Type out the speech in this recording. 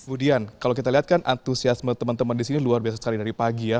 budian kalau kita lihat kan antusiasme teman teman di sini luar biasa sekali dari pagi ya